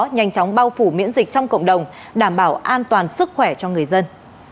nhanh chóng bao phủ miễn dịch trong cộng đồng đảm bảo an toàn sức khỏe cho người dân